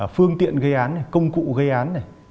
phương tiện gây án này công cụ gây án này